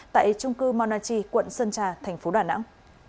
tại trung cư monnachi quận sơn trà thành phố đà nẵng